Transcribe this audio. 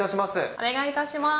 お願いいたします。